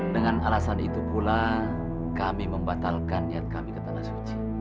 dengan alasan itu pula kami membatalkan niat kami ke tanah suci